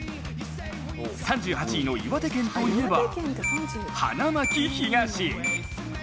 ３８位の岩手県といえば花巻東。